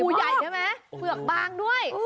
ใหญ่ใช่ไหมเปลือกบางด้วย